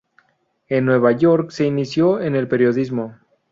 En Nueva York se inició en el periodismo.